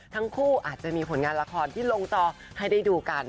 ทั้งคู่อาจจะมีผลงานละครที่ลงจอให้ได้ดูกัน